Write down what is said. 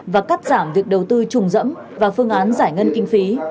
và cắt giảm việc đầu tư trùng dẫm và phương án giải ngân kinh phí